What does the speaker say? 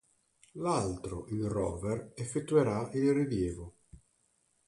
L'altro, il rover, effettuerà il rilievo.